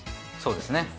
そうですね。